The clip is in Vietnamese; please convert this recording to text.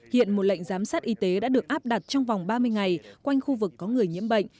hiện một lệnh giám sát y tế đã được áp đặt trong vòng ba mươi ngày quanh khu vực có người nhiễm bệnh